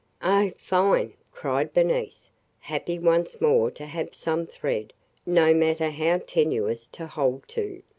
"Oh, fine!" cried Bernice, happy once more to have some thread, no matter how tenuous, to hold to.